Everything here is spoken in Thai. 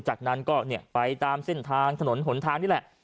จากนั้นก็ไปตามเส้นทางถนนหนทางนี่แหละ